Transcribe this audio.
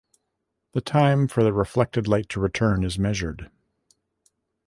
The time for the reflected light to return is measured.